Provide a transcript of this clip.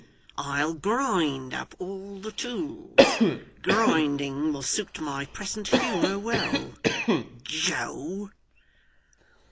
I'll grind up all the tools. Grinding will suit my present humour well. Joe!